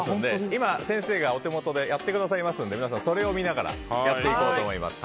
今、先生がお手元でやってくださいますので皆さん、それを見ながらやっていこうと思います。